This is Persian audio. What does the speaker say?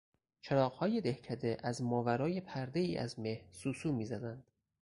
چراغهای دهکده از ماورای پردهای از مه سوسو میزدند.